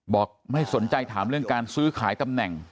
บอกไม่สนใจถามเรื่องการซื้อขายตำแหน่ง